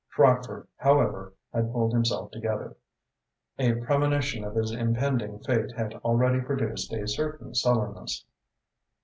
Crockford, however, had pulled himself together. A premonition of his impending fate had already produced a certain sullenness.